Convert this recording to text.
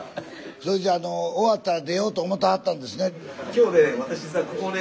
それじゃあ終わったら出ようと思てはったんですね。